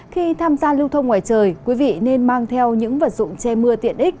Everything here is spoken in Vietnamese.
khi tham gia lưu thông ngoài trời quý vị nên mang theo những vật dụng che mưa tiện ích